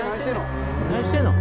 何してんの！？